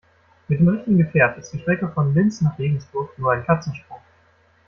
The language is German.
Mit dem richtigen Gefährt ist die Strecke von Linz nach Regensburg nur ein Katzensprung.